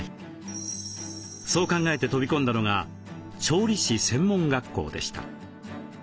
そう考えて飛び込んだのが調理師専門学校でした。